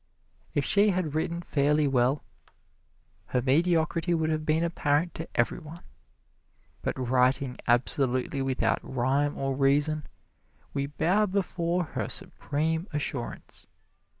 If she had written fairly well, her mediocrity would have been apparent to every one; but writing absolutely without rhyme or reason, we bow before her supreme assurance.